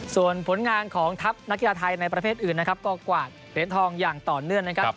ส่วนผลงานของทัพนักกีฬาไทยในประเภทอื่นนะครับก็กวาดเหรียญทองอย่างต่อเนื่องนะครับ